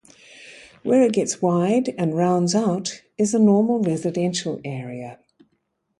Where it gets wide and rounds out is a normal residential area.